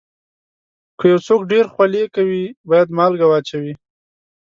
که یو څوک ډېر خولې کوي، باید مالګه واچوي.